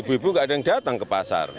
ibu ibu gak ada yang datang ke pasar